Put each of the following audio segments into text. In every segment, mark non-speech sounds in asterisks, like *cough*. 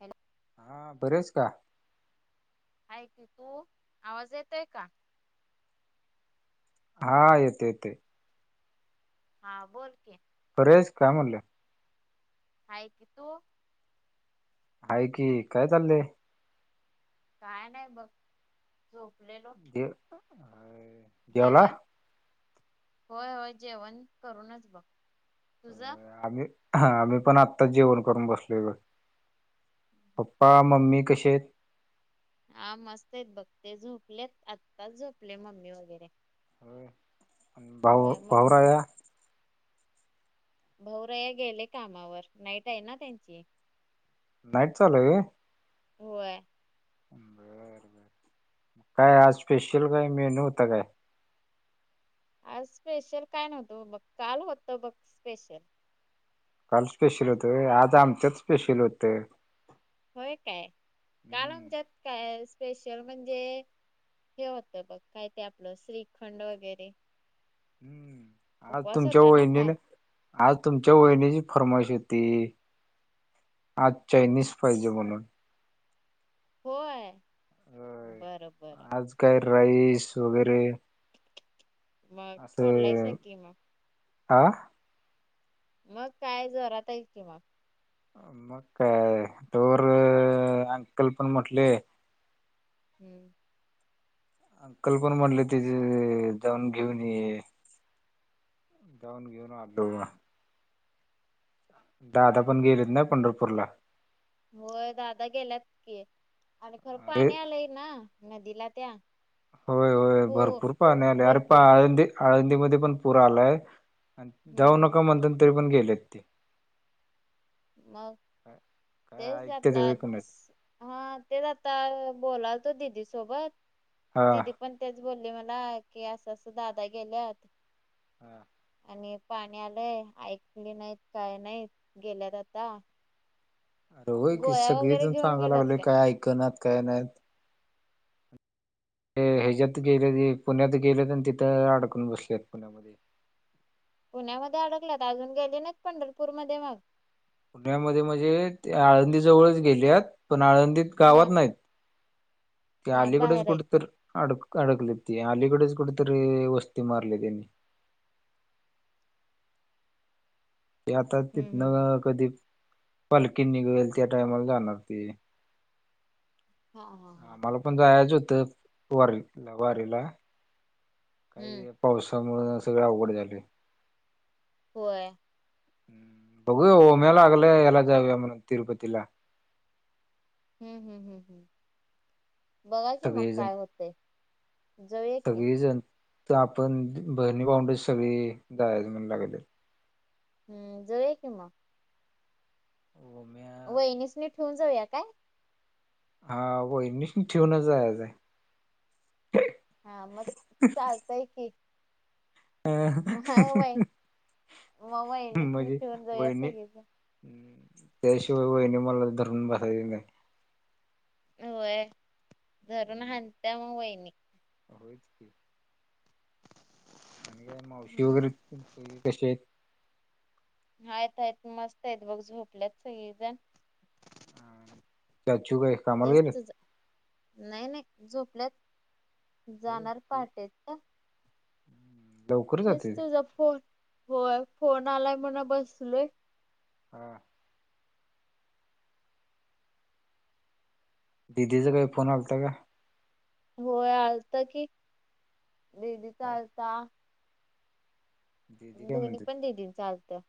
Hello हा बरी आहेस का? हाय कि तू आवाज येतोय का? हा येतोय येतोय. हा बोल की. परेश काय म्हणलं हाय की तू हाय की काय चाललय? काय नाही बघ झोपलेलो *unintelligible* हाय जेवण होय होय जेवण करूनच बघ तुझं आम्ही हा आम्ही पण आत्ताच जेवण करून बसलेलोय पप्पा मम्मी कसे आहेत हा मस्त आहेत बघ ते झोपलेत आत्ताच झोपले मम्मी वगैरे भाऊ होय मम भाऊराया भाऊराया गेले कामावर नाईट आहे ना त्यांची नाईट चालूय व्हय होय. बर काय आज स्पेशल काय मेनू होता काय? आज स्पेशल काय नव्हतं बघ काल होतं बघ स्पेशल काल स्पेशल होतं होय आज आमच्यात स्पेशल होतं होय काय काल हम्म आमच्यात काय स्पेशल म्हणजे हे होतं बघ काय ते आपलं श्रीखंड वगैरे हम्म आज उपवास तुमच्या होता ना वहिणीनं काल? आज तुमच्या वहिणीची फरमाइश होती आज चाईनीज पाहिजे म्हणून होय होय बरं बरं. आज काय राईस वगैरे मग फोडलायसा असं की मग. आं मग काय जोरात आहे की मग मग काय तवर अंकल पण म्हटले हम्म. अंकल पण म्हणले तेच जाऊन घेऊन ये जाऊन घेऊन आलो मग. दादा पण गेलेत ना पंढरपूरला होय दादा गेल्यात की आणि खरं अरे पाणी आलंय ना नदीला त्या होय होय हो भरपूर पाणी आलंय अरे पा भरपूर. आळंदी आळंदीमध्ये पण पुर आलाय जाऊ हम्म नका म्हणत्यात तरी पण गेलेत मग ते काय ऐकतेच होय जातात कुणाच हा तेच आता बोलाल तो दिदी सोबत हा दिदी पण तेच बोलले मला की असं असं दादा गेलत हा. आणि पाणी आलंय ऐकली नाहीत काय नाहीत गेल्यात आता अरे व्हय की गोळ्या वगैरे सगळेजण घेऊन सांगायला गेल्यात लागले काय ऐकनात काय नाहीत हे ह्याच्यात गेले पुण्यात गेले आणि तिथं अडकून बसले आहेत पुण्यामध्ये पुण्यामध्ये अडकलात अजून गेली ना पंढरपूर मध्ये मग पुण्यामध्ये म्हणजे ते आळंदी जवळच गेले पण आळंदीत हा गावात नाही ते हा अलीकडेच बाहेर आहेत. कुठ तर अडक अडकलेत ते अलीकडेच कुठ तरी वस्ती मारलीय त्यांनी ते आता हम्म तिथन हम्म हम्म. कधी पालखी निघळेल त्या टाइमाला जाणार ते हा हा हा हा आम्हाला पण जायचं होतं वारी वारीला, हम्म काही पावसामुळे सगळ अवघड झालंय. होय. बघू ओम्या लागलाय याला जाऊया तिरपतीला हम्म हम्म हम्म बघा की मग काय होतंय जाऊया की सगळी जण आपण बरणी पाऊंडच सगळी जाय म्हणू लागत्या हम्म जय कि मग. ओम्या वहिनी नि ठेवून जायात काय? हा हो मन ठेवूनच आहेज आहे. हा मग चालतय की. अ मग वय मग वहिनीसनी म्हजे ठेवून जाऊया वहिणी. सगळीजण. त्याशिवाय वाहिनी मला धरून बसायचे नाही. वय धरून हांणत मग वहिनी. होच की आणि का मावशी हम्म वगैरेय कसे आहेत? आहेत आहेत मस्त आहेत बघ झोपल्यात सगळीजण. चचु काय. कामाला हेच गेलेत? नाही नाही झोपल्यात होय. जाणार पहाटेच. लवकर तेच जाते तुझा फोन होय फोन आलाय म्हणा बसलोय. हां दिदीचा काही फोन आलता का? होय आलत कि दिदी चा आलता. दिदी काय दोन्ही म्हणते? पण दीदी चा आलतं.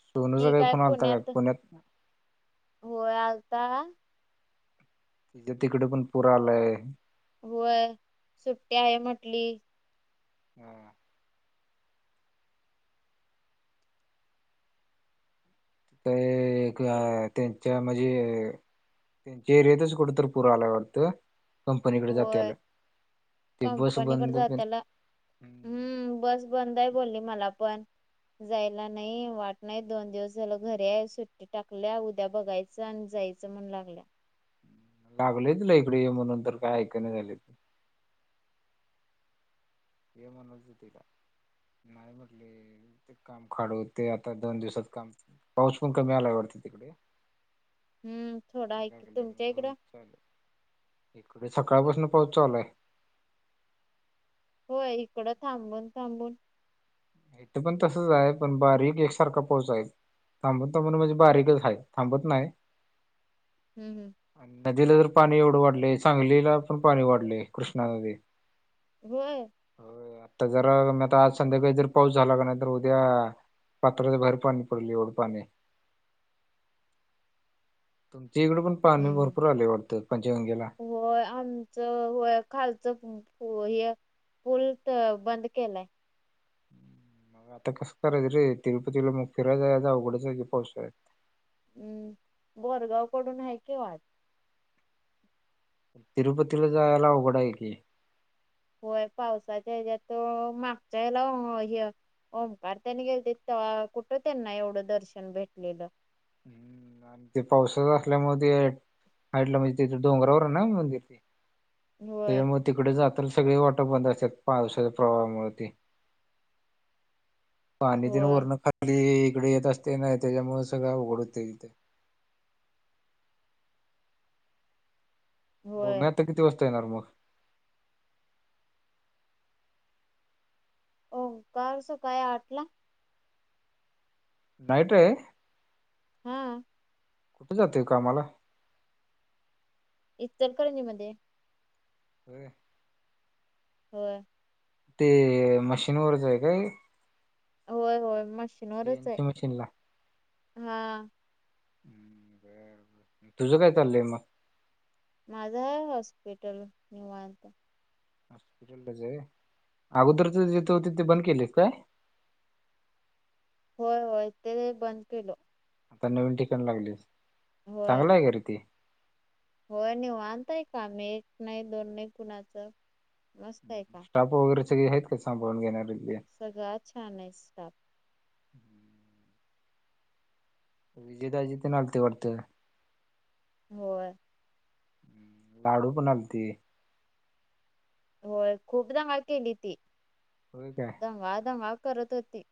सोनूचा काही फोनता का पुण्यात? होय आवता. तिच्या तिकडे पण पुर आलाय. वय सुट्टी आहे म्हटली. हम्म. काय त्यां त्या म्हणजे त्यांच्या एरियातच कुठ तर पुर आला वाटतं. कंपनीकडे होय जातेलं ते बस कंपनीकडे बंद जाताला हम्म बस बंद आहे बोलली मला पण. जायला नाही वाट नाही दोन दिवस झालं घरी आहे सुट्ट. टाकल्या उद्या बघायचं आणि जायचं म्हण लागल्या. लागले तुला इकडे ये म्हणून तर काय ऐक नाही झाले. येम अनो जतीला ना. ते काम काडू ते आता दोन दिवसात काम पाऊस पण कमी आला वरती तिकडे. हम्म थोडा ते काय ऐक केलं तुमच्या मग होईल इकडं. चालू इकडे सकाळपासून पोहोचचा आलाय. होय इकडं थांबून थांबून. इथ पण तसच आहे पण बारीक एकसारखा पोहचाईल. थांबत म्हणून म्हणजे बारीकच आहे थांबत नाही. हम्म हम्म. नदीला तर पाणी एवढं वाढले सांगलीला पण पाणी वाढले कृष्णा नदी. होय. हो आता जरा मी आ आज संध्याकाळी जर. पाऊस झाला का नाहीर उद्या पात्राच बाहेर पाणी पडली एवढं पाणी. तुमच्या इकडडे पण पाणी हम्म हम्म भरपूर आले वाटतं पंचगंगेला. होय आमचं होय खालचं हे. पूल तर बंद केलाय. मग आता कसं करायचं रे तिरुपतीला मग फिराय उघड्याचा पावसा आहे. हम्म बोरगाव कडून आहे कि वाट. तिरपतीला जायला उघडा आहे की. होय पावसाच्या याच्या्यात मागच्या याला. ओंकार त्यांनी गेले ते कुठं त्यांना एवढं दर्शन भेटलेलं. हम्म आणि ते पावसात असल्या म. डलं म्हणजे तिथ डोंगरावर ना मंदिर ते. होय त्याच्यामुळेग तिकडे जात सगळे वाटर बंद असतात पावसाच्या प्रवाहामुळे ते. पाणी तन होय वरण खाली इकडे येत असते नाही त्याच्यामुळे सगळं उघड होते तथे. हो म होय आता किती वाजता येणार मग. कास काय आटला. नाईट रे. हम. कुठे जातय कामाला. इचलकरंजी मध्ये. हो. हो. ते मशीनवरच आहे काय. होय होय मशीनवरच आहे सीएनसी मशीनला? हा. हम्म, तुझं काय चाललंय मग. माझा हॉस्पिटल निवांत. हपिटलच आहे अगोदर त जिथे तिथे बंद केले काय. होय होय ते बंद केलं. आता नवीन टिकाण लागली होय चांगलं आहे गरीे ते. होय नाही वानताय का मी एक नाही दोन नाही कुणाचं मस्त आहे का. स्टाफ वगैरे सगळे आहेत का सांाळून घेणार. सगळळा छान आहे स्टाफ. विजेताज ते नलते वाढते. होय. लाडू पण आगते. होय खूप जागा केली ती. हो काय दम वादम वा करत होती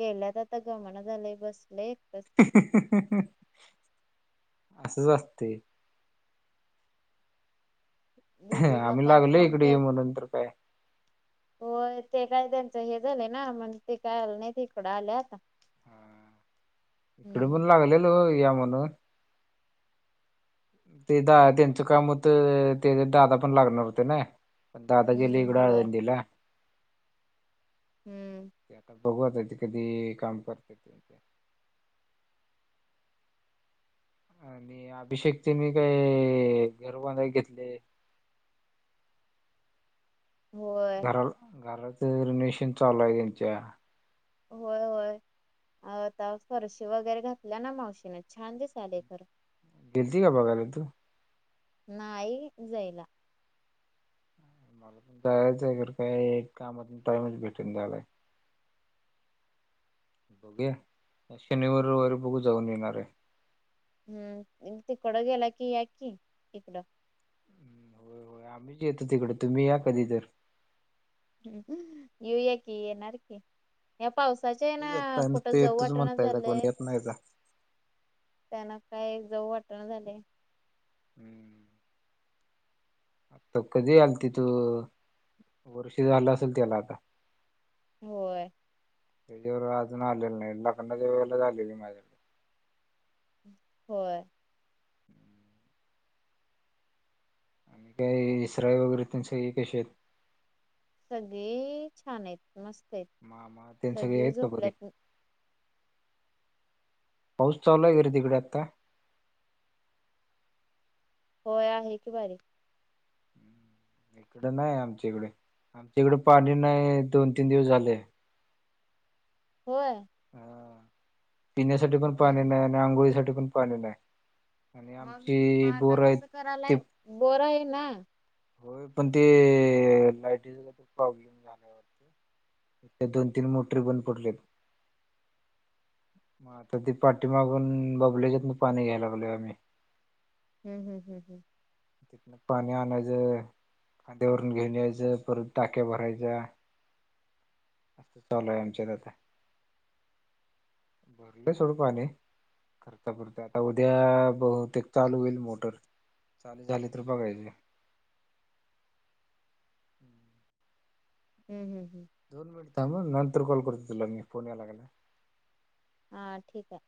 गेल्या तर आता गमना झाले बसलेस. असंच वाते. दिदी आम्ही लकल लागलो फोन इकडे के. ये म्हणून तर काय. हो ते काय त्यांचं हे झालंय ना म्हण ते काय आलं नाही तिकडं आले आता. हा इकडे हम्म. पण लागलेल या म्हणून. ते दा त्यांचं काम होतं त्या दादा पण लागणार होते ना. प दाद गेली हम्म होय गडंदला. हम्म ते आता बघव जायचे कधी काम करते ते आणि अभिषेक त्यांनी काही घर बांधाय घेतले. होय. घरा घराच रोनेशन चालू आहे त्यांच्या. होय होय आता फरशी वगैरे घातल्या ना मावशीने छान दिसले खर. गेलती का बघाले तू. नाही जाईला. मला पण जायचं आहेर काय कामातून टाइमच भेटून जायलाय. बघे या शनिवारवारी बघू जाऊन येणार आहे. हम्म तिकडं गेला की या की इकडं. हम्म, होय होय आम्हीच येतो तिकडं तुम्ही या कधी तर. ह् युए की येणाररकी. या पावसाचे ना येताय कुठं नुसतं जव येतोच वाटणा म्हणतायसा झाचाले. कोण येत नाहीसा. त्यांना काय जाऊ वाटण झाले. हम्म त कधी आल तिथू वर्ष झालं असेल त्याला आता होय त्याच्यावर अजून आलेलं नाही लग्न ज वळेला झालेली माझ्याला होय काही इसराय वगैरे त्यां स कशी आहेत सगळे छान आहेत मस्त आहेत मामा तेन सगळे सगळी आहेत का बरी? झोपल्यात पाऊस चालला गेरे तिकडे आता होय आहे की बारी इकड नाही आमच्या इकडे आमच्या इकड पाणी नाही दोन तीन दिवस झाले होय ह पिण्यासाठी पण पाणी हम्म नाही आणि आंघोळीसाठीठी पण पाणी नाही आणि आमचे बोर आहेत ते करायला बोरं आहे ना होय पण ते लायटीचा प्रॉब्लेम झाला होता ते दोन तीन मोटरी बन पडलेत म तर ती पाट मागून बबलेच्यात ना पाणी घ्यायला लागलो आम्ही ह् ह्ं ह्ं हं कितन पाणी आना ज खांद्यावरून घेऊन यायचं परत टाक्या भरायच्या अस चालू आहे आमच्यात आता भरले सडू पाणी करता पुरत आता उद्या बहुतेक चालू होईल मोटर चाले चालीस रुपय कयचे हम्म हम् हम् हम दोन मिनिट थांबग नंतर कॉल करतेो तुला मी फोन यायलागेला हा ठीक आहे